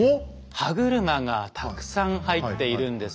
歯車がたくさん入っているんですよね。